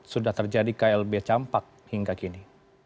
sudah terjadi klb campak hingga kini